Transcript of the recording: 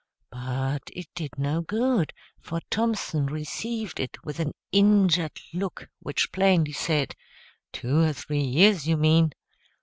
But it did no good; for Thompson received it with an injured look which plainly said, "Two or three years, you mean."